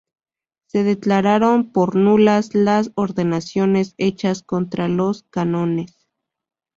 Se declararon por nulas las ordenaciones hechas contra los Cánones.